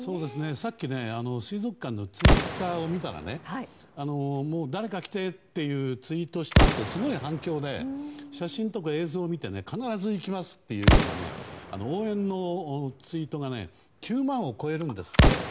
さっき水族館のツイッターを見たら誰か来てってツイートをしたあとすごい反響で写真とか映像を見て必ず行きますというような応援のツイートが９万を超えるんですって。